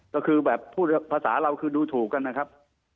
ก็คือแบบพูดภาษาเราคือดูถูกกันนะครับ